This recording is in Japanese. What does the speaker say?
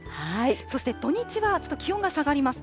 そして土日はちょっと気温が下がります。